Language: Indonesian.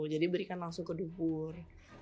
jadi berikan langsung ke dubur